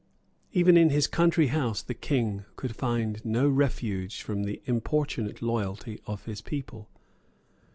Even in his country house the king could find no refuge from the importunate loyalty of his people.